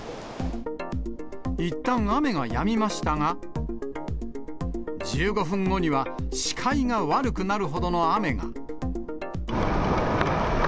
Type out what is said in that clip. いったん雨がやみましたが、１５分後には視界が悪くなるほどの雨が。